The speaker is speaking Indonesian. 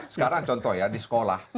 sekarang contoh ya di sekolah